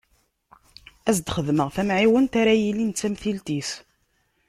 Ad s-d-xedmeɣ tamɛiwent ara yilin d tamtilt-is.